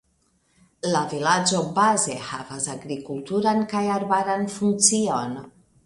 La vilaĝo baze havas agrikulturan kaj arbaran funkcion.